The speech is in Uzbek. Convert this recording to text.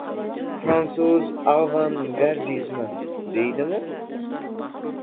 Frantsuz avan-gardizmi... deydimi...